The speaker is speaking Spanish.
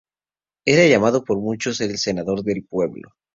Era llamado por muchos "El senador del pueblo".